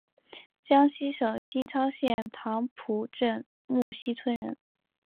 江西省新昌县棠浦镇沐溪村人。